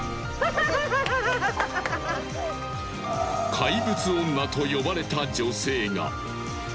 怪物女と呼ばれた女性が。